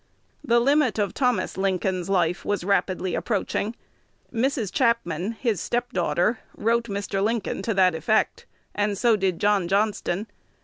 The limit of Thomas Lincoln's life was rapidly approaching. Mrs. Chapman, his step daughter, wrote Mr. Lincoln to that effect; and so did John Johnston.